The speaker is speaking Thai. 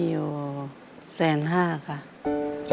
ขอบคุณครับ